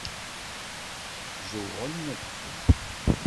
Zzewɣen adfel.